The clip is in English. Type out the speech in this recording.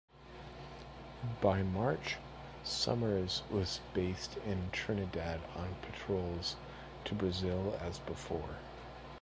By March "Somers" was based in Trinidad on patrols to Brazil as before.